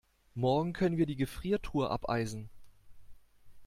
Morgen können wir die Gefriertruhe abeisen.